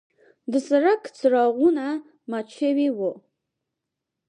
د سړک څراغونه مات شوي وو.